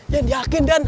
yang yakin den